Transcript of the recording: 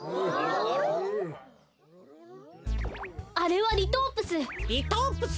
あれはリトープス！